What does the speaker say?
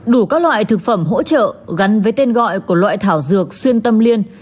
đủ các loại thực phẩm hỗ trợ gắn với tên gọi của loại thảo dược xuyên tâm liên